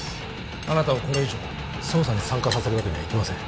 あなたをこれ以上捜査に参加させるわけにはいきません